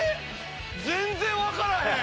全然分からへん！